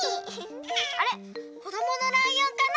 あれこどものライオンかな？